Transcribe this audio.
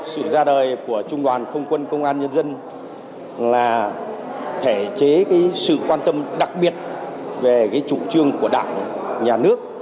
sự ra đời của trung đoàn không quân công an nhân dân là thể chế sự quan tâm đặc biệt về chủ trương của đảng nhà nước